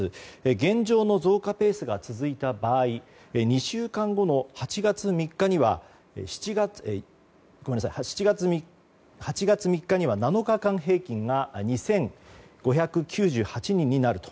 現状の増加ペースが続いた場合２週間後の８月３日には７日間平均が２５９８人になると。